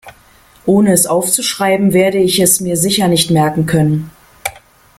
Ohne es aufzuschreiben, werde ich es mir sicher nicht merken können.